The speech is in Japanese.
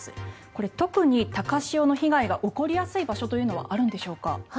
これ、特に高潮の被害が起こりやすい場所というのはあるんでしょうか。